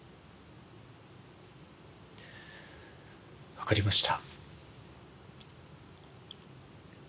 分かりました。